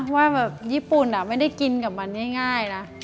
ว่าแบบญี่ปุ่นไม่ได้กินกับมันง่ายนะ